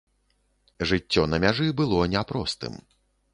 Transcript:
Жыццё на мяжы было не простым.